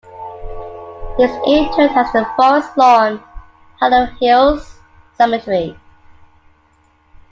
He is interred at the Forest Lawn - Hollywood Hills Cemetery.